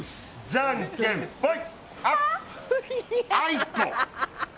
じゃんけんぽい！